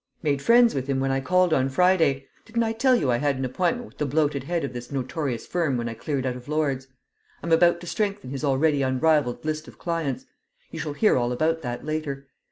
"Made friends with him when I called on Friday; didn't I tell you I had an appointment with the bloated head of this notorious firm when I cleared out of Lord's? I'm about to strengthen his already unrivalled list of clients; you shall hear all about that later.